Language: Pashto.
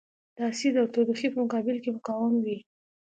د اسید او تودوخې په مقابل کې مقاوم وي.